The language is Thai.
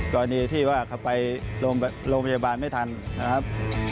กรณีที่ว่าเขาไปโรงพยาบาลไม่ทันนะครับ